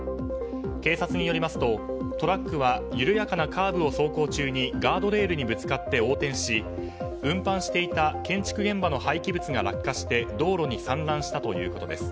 警察によりますとトラックは緩やかなカーブを走行中にガードレールにぶつかって横転し運搬していた建築現場の廃棄物が落下して道路に散乱したということです。